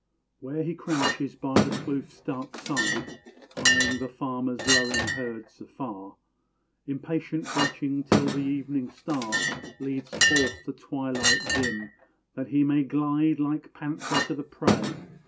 where he crouches by the Kloof's dark side, Eyeing the farmer's lowing herds, afar; Impatient watching till the evening star Leads forth the twilight dim, that he may glide Like panther to the prey.